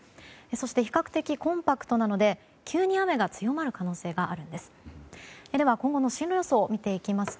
そして比較的コンパクトなので急に雨が強まる可能性があるんです。